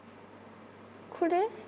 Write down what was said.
これ？